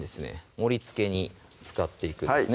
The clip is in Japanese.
盛りつけに使っていくですね